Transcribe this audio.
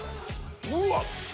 うわっ！